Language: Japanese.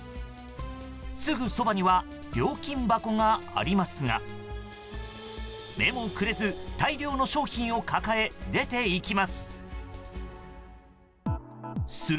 すぐそばには料金箱がありますが目もくれず、大量の商品を抱え出て行きます。